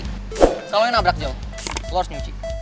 kalau lo yang nabrak jok lo harus nyuci